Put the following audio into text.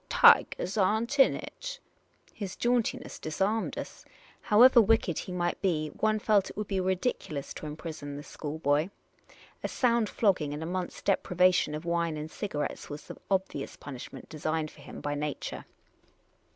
Tigahs are n't in it." His jauntiness disarmed us. However wicked he might be, one felt it would be ridiculous to imprison this schoolboy. A sound flogging and a month's deprivation of wine and cigarettes was the obvious punishment designed for him by nature.